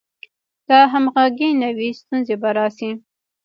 که همغږي نه وي، ستونزې به راشي.